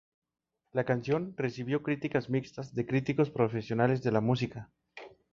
La canción recibió críticas mixtas de críticos profesionales de la música.